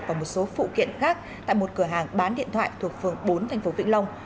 và một số phụ kiện khác tại một cửa hàng bán điện thoại thuộc phường bốn tp vĩnh long